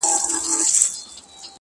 او پای يې خلاص پاته کيږي